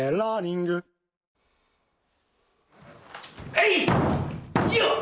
えいっ！